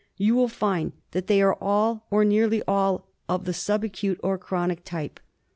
You will find that they are all, or nearly all, of the sub acute or chronic type.